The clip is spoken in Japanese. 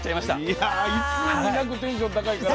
いやいつになくテンション高いから。